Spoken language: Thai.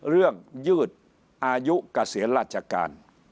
เรื่องยืดอายุเกษียรรจการ